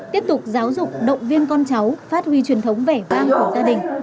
tiếp tục giáo dục động viên con cháu phát huy truyền thống vẻ vang của gia đình